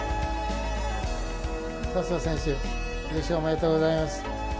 笹生選手、優勝おめでとうございます。